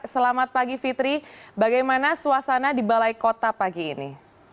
selamat pagi fitri bagaimana suasana di balai kota pagi ini